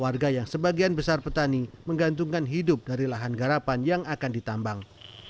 warga yang sebagian besar petani menggantungkan hidup dari lahan garapan yang akan ditambang